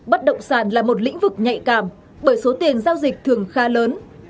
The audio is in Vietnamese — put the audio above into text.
bất động sản là một lĩnh vực nhạy cảm bởi số tiền giao dịch thường khá lớn